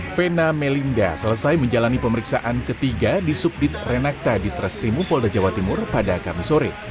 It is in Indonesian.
vena melinda selesai menjalani pemeriksaan ketiga di subdit renakta di treskrimu polda jawa timur pada kamis sore